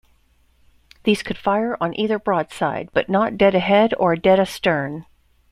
These could fire on either broadside, but not dead ahead or dead astern.